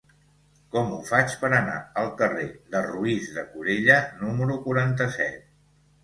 Com ho faig per anar al carrer de Roís de Corella número quaranta-set?